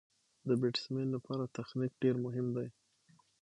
د بېټسمېن له پاره تخنیک ډېر مهم دئ.